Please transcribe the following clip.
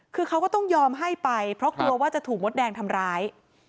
คือเขาก็ต้องยอมให้ไปเพราะกลัวว่าจะถูกมดแดงทำร้าย